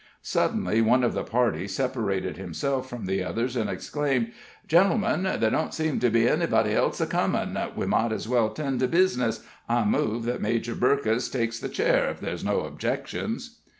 Suddenly one of the party separated himself from the others, and exclaimed: "Gentlemen, there don't seem to be anybody else a comin' we might as well 'tend to bizness. I move that Major Burkess takes the chair, if there's no objections."